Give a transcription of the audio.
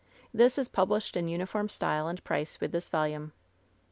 This is published in uniform style and price with this ^lume.